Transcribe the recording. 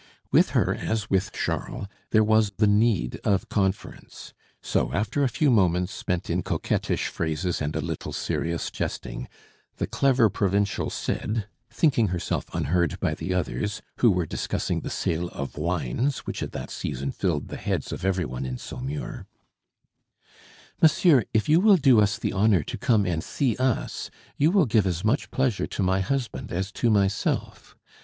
With her, as with Charles, there was the need of conference; so after a few moments spent in coquettish phrases and a little serious jesting, the clever provincial said, thinking herself unheard by the others, who were discussing the sale of wines which at that season filled the heads of every one in Saumur, "Monsieur if you will do us the honor to come and see us, you will give as much pleasure to my husband as to myself.